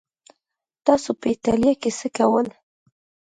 تاسو په ایټالیا کې څه کول؟